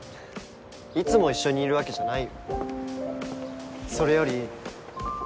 いつも一緒にいるわけじゃないよ。それより。